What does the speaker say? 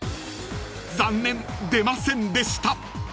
［残念出ませんでした］